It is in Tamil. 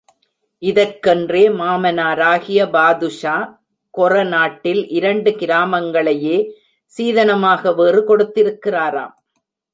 இதற்கென்றே மாமனாராகிய பாதுஷா கொற நாட்டில் இரண்டு கிராமங்களையே சீதனமாக வேறு கொடுத்திருக்கிறராம்.